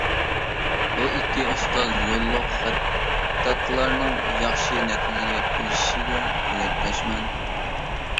بۇ ئىككى ئۇستاز يوللۇق خەتتاتلارنىڭ ياخشى نەتىجىگە ئېرىشىشىگە تىلەكداشمەن.